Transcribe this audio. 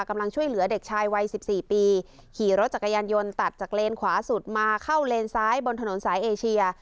กำลังช่วยเหลือเด็กชายวัย๑๔ปีขี่รถจักรยานยนต์ตัดจากเลนขวาสุดมาเข้าเลนซ้ายบนถนนสายเอเชีย